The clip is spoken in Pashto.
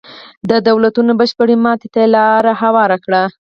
د دولتونو بشپړې ماتې ته یې لار هواره کړه.